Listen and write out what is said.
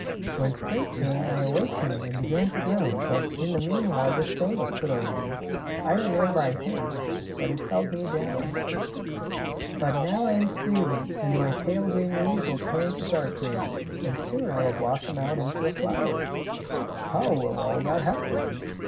When spring came I awakened and began to grow, but in the meanwhile this stone was put over me. I don't know by whom. But it held me down. "But now I am free, and my pale green leaves will turn to dark green, and soon I will blossom out into a flower." "How will all that happen?"